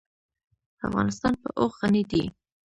افغانستان په اوښ غني دی.